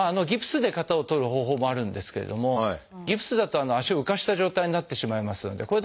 ギプスで型を取る方法もあるんですけれどもギプスだと足を浮かせた状態になってしまいますので。